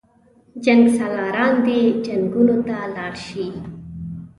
جنګسالاران دې جنګونو ته لاړ شي.